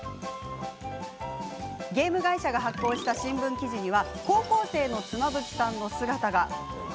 ゲーム会社が発行した新聞記事には高校生の妻夫木さんの姿が。